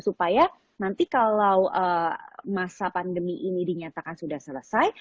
supaya nanti kalau masa pandemi ini dinyatakan sudah selesai